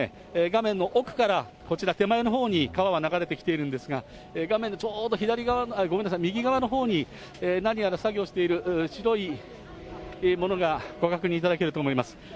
画面の奥から、こちら、手前のほうに川は流れてきているんですが、画面のちょうど左側、ごめんなさい、右側のほうに、何やら作業をしている白いものがご確認いただけると思います。